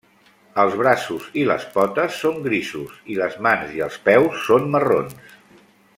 Els braços i les potes són grisos i les mans i els peus són marrons.